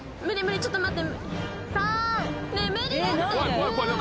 ちょっと待って。